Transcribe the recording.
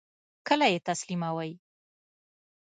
کله یی تسلیموئ؟